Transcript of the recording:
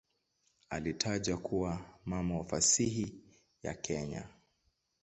Alitajwa kuwa "mama wa fasihi ya Kenya".